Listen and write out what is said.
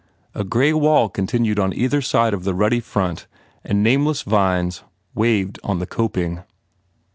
A grey wall con tinued on either side of the ruddy front and name less vines waved on the coping.